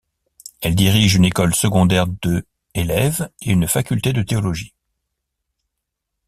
Elle dirige une école secondaire de élèves et une faculté de théologie.